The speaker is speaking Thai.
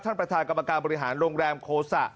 ท่านประธานกรรมการบริหารโรงแรมโคสะ